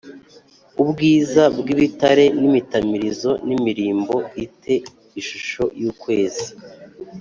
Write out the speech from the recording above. ubwiza bw ibitare n imitamirizo n imirimbo i te ishusho y ukwezi